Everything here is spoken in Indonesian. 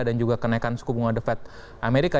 dan juga kenaikan suku bunga the fed amerika